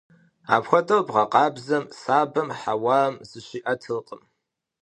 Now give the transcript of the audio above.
Апхуэдэу бгъэкъабзэм сабэм хьэуам зыщиӀэтыркъым.